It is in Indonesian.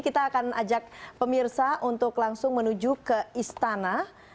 kita akan ajak pemirsa untuk langsung menuju ke istana